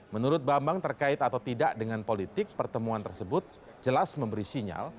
menurut bambang terkait atau tidak dengan politik pertemuan tersebut jelas memberikan keadaan yang lebih baik